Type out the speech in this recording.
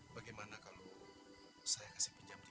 bagaimana kalau saya kasih pinjam tiga ratus ribu